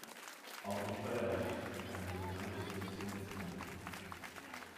Auch im Steuerrecht ist eine Legaldefinition enthalten.